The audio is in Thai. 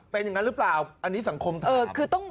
เป็นอย่างนั้นหรือเปล่าอันนี้สังคมเถอะ